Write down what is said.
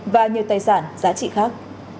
và nhiều tài sản giá trị khác